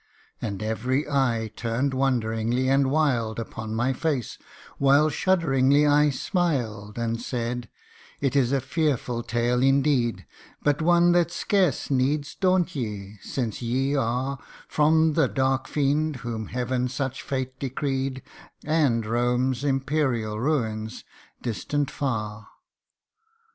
CANTO II. 69 And every eye turn'd wonderingly and wild Upon my face, while shudderingly I smiled, And said, ' It is a fearful tale indeed ; But one that scarce needs daunt ye, since ye are From the dark fiend whom Heaven such fate decreed, And Rome's imperial ruins, distant far.'